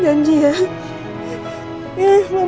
nanti kita berjalan